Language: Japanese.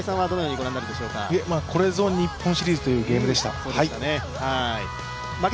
これぞ日本シリーズというゲームでした。